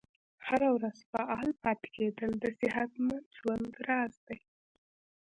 هره ورځ فعال پاتې کیدل د صحتمند ژوند راز دی.